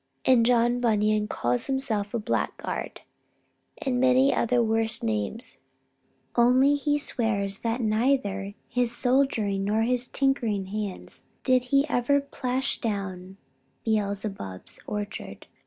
And John Bunyan calls himself a blackguard, and many other worse names; only he swears that neither with his soldiering nor with his tinkering hands did he ever plash down Beelzebub's orchard.